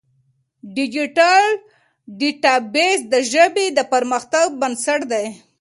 ډیجیټل ډیټابیس د ژبې د پرمختګ بنسټ دی.